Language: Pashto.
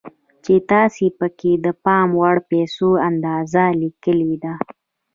چې تاسې پکې د پام وړ پيسو اندازه ليکلې ده.